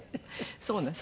そうなんです。